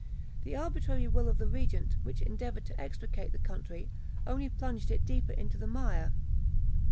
The arbitrary will of the regent, which endeavoured to extricate the country, only plunged it deeper into the mire.